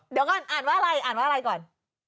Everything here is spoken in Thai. เดี๋ยวก่อนอ่านว่าอะไรอ่านว่าอะไรก่อน